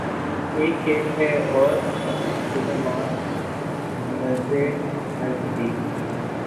اک کھیل ہے اورنگ سلیماں مرے نزدیک